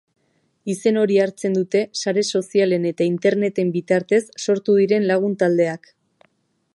Izen hori hartzen dute sare sozialen eta interneten bitartez sortu diren lagun taldeak.